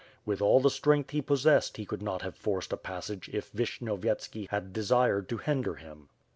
With. all the strength he possessed Ke could not have forced a passage if Vishnyovyetski had desired to hinder him.